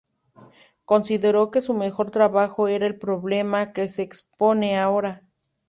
Consideró que su mejor trabajo era el problema que se expone ahora.